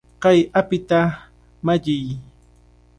¡Kay apita malliy!